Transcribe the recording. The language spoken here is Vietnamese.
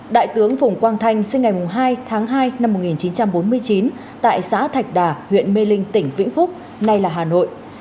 đại tướng phùng quang thanh sinh ngày hai tháng hai năm một nghìn chín trăm bốn mươi chín tại xã thạch đà huyện mê linh tỉnh vĩnh phúc nay là hà nội